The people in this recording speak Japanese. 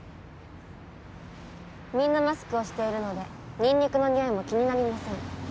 みんなマスクをしているのでニンニクの臭いも気になりません。